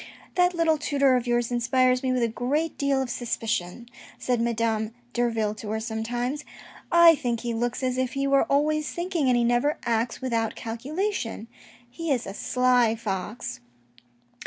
" That little tutor of yours inspires me with a great deal of suspicion," said Madame Derville to her sometimes. " I think he looks as if he were always thinking, and he never acts without calculation. He is a sly fox."